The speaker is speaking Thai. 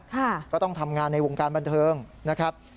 ก็ต้องทำงานในวงการบันเทิงนะครับ